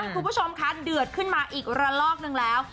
คุณผู้ชมคะเดือดขึ้นมาอีกระลอกนึงแล้ว